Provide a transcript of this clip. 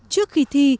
trước khi thi